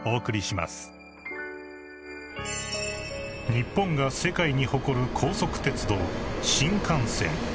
［日本が世界に誇る高速鉄道］